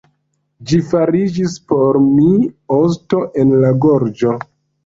Ĝi fariĝis por mi osto en la gorĝo.